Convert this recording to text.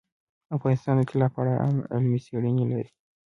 افغانستان د طلا په اړه علمي څېړنې لري.